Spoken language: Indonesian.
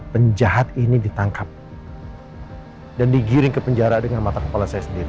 penjahat ini ditangkap dan digiring ke penjara dengan mata kepala saya sendiri